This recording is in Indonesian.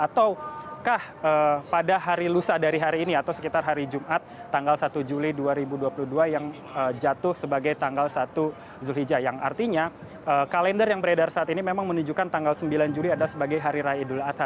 ataukah pada hari lusa dari hari ini atau sekitar hari jumat tanggal satu juli dua ribu dua puluh dua yang jatuh sebagai tanggal satu zulhijjah yang artinya kalender yang beredar saat ini memang menunjukkan tanggal sembilan juli adalah sebagai hari raya idul adha